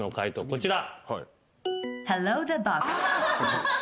こちら。